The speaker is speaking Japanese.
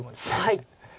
はい。